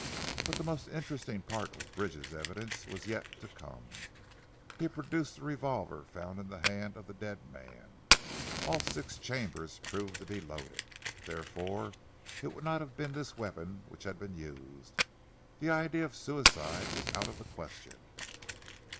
But the most interesting part of Bridge's evidence was yet to come. He produced the revolver found in the hand of the dead man. All six chambers proved to be loaded. Therefore it would not have been this weapon which had been used. The idea of suicide was out of the question.